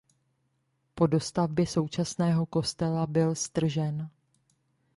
Po dostavbě současného kostela byl stržen.